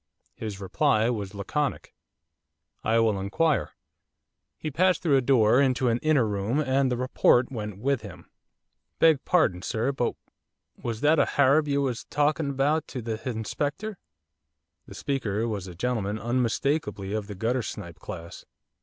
His reply was laconic. 'I will inquire.' He passed through a door into an inner room and the 'report' went with him. 'Beg pardon, sir, but was that a Harab you was a talking about to the Hinspector?' The speaker was a gentleman unmistakably of the guttersnipe class.